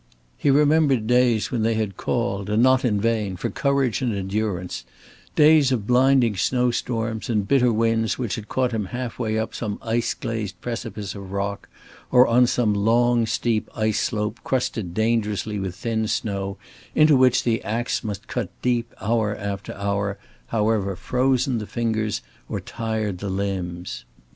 He remembered days when they had called, and not in vain, for courage and endurance, days of blinding snow storms and bitter winds which had caught him half way up some ice glazed precipice of rock or on some long steep ice slope crusted dangerously with thin snow into which the ax must cut deep hour after hour, however frozen the fingers, or tired the limbs.